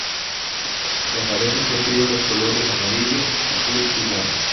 Las abejas perciben los colores amarillo, azul y blanco.